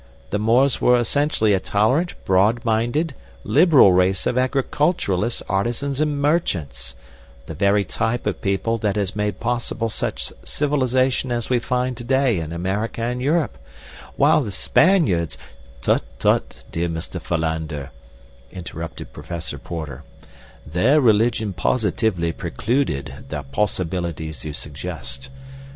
The Moors were essentially a tolerant, broad minded, liberal race of agriculturists, artisans and merchants—the very type of people that has made possible such civilization as we find today in America and Europe—while the Spaniards—" "Tut, tut, dear Mr. Philander," interrupted Professor Porter; "their religion positively precluded the possibilities you suggest.